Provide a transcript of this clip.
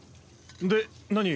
で何？